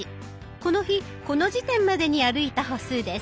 この日この時点までに歩いた歩数です。